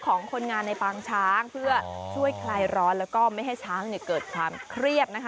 ของคนงานในปางช้างเพื่อช่วยคลายร้อนแล้วก็ไม่ให้ช้างเกิดความเครียดนะคะ